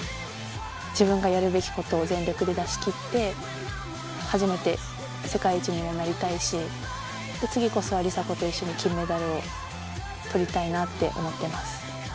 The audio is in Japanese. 自分がやるべきことを全力で出しきって、初めて、世界一にもなりたいし、次こそは梨紗子と一緒に金メダルをとりたいなって思ってます。